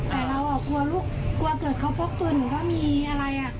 แต่เรากลัวลุกกลัวเกิดเขาพกปืนหรือว่ามีอะไรอะ